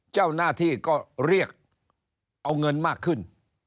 เจ้าหน้าที่ก็เรียกเอาเงินมากขึ้น